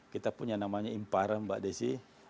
kita punya namanya imparan mbak desi